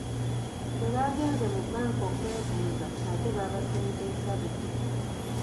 Bwe baagenze mu bbanka okwebuuza ate babasenzezza luti